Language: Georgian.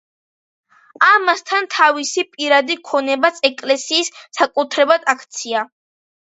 ამასთან, თავისი პირადი ქონებაც ეკლესიის საკუთრებად აქცია.